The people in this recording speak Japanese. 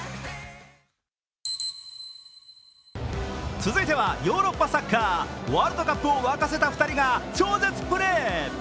続いてはヨーロッパサッカーワールドカップを沸かせた２人が超絶プレー。